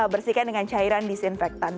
bersihkan dengan cairan disinfektan